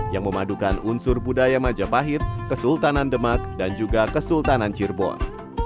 yang memadukan unsur budaya majapahit kesultanan demak dan juga kesultanan cirebon